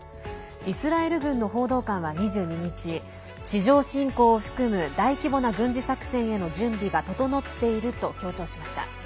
イスラエル軍の報道官は２２日地上侵攻を含む大規模な軍事作戦への準備が整っていると強調しました。